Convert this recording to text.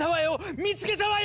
見つけたわよ。